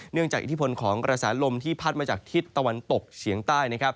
เนื่องจากอิทธิพลของกระแสลมที่พัดมาจากทิศตะวันตกเฉียงใต้